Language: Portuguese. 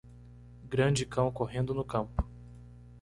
Grande cão correndo no campo.